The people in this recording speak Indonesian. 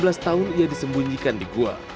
selama lima belas tahun ia disembunyikan di gua